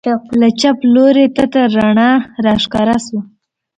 له چپ لوري تته رڼا راښکاره سوه.